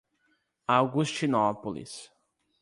Augustinópolis